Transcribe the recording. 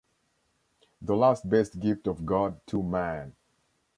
"The last best gift of God to man"!